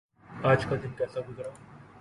آج کا دن کیسے گزرا؟